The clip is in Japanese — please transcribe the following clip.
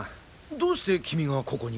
どうしてキミがここに？